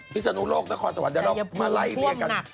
ศนุโลกนครสวรรค์เดี๋ยวเรามาไล่เรียกัน